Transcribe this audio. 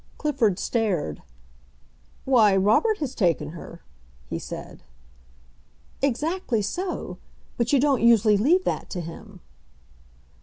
Clifford stared. "Why, Robert has taken her," he said. "Exactly so. But you don't usually leave that to him."